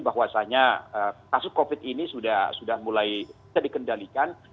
bahwasannya kasus covid ini sudah mulai terkendalikan